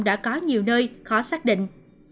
đã có nhiều nơi khó xác định